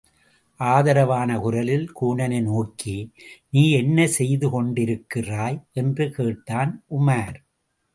ஆதரவான குரலில் கூனனை நோக்கி, நீ என்ன செய்துகொண்டிருக்கிறாய்? என்று கேட்டான் உமார்.